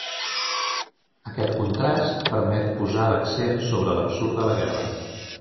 Aquest contrast permet posar l'accent sobre l'absurd de la guerra.